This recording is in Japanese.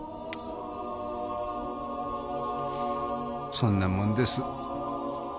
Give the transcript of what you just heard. そんなもんです。